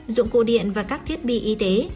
dụng cụ điện và các thiết bị điện tử